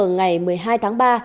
ngày một mươi hai tháng ba